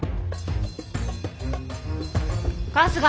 ・春日！